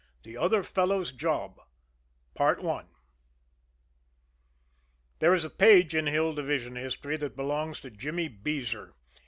IX THE OTHER FELLOW'S JOB There is a page in Hill Division history that belongs to Jimmy Beezer.